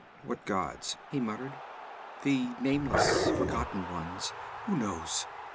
'What gods?' he muttered. 'The nameless, forgotten ones. Who knows?